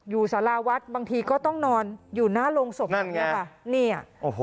อยู่สาราวัดบางทีก็ต้องนอนอยู่หน้าโรงศพนั่นไงเนี้ยโอ้โห